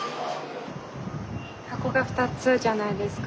箱が２つじゃないですか。